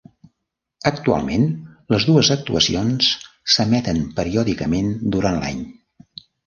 Actualment, les dues actuacions s'emeten periòdicament durant l'any.